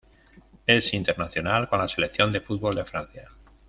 Es internacional con la selección de fútbol de Francia.